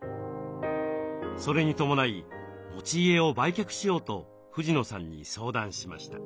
それに伴い持ち家を売却しようと藤野さんに相談しました。